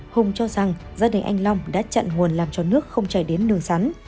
hùng cho rằng gia đình anh long đã chặn nguồn làm cho nước không chạy đến nương sắn